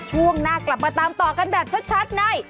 ช่วงหน้ากลับมาตามต่อกันแบบชัดใน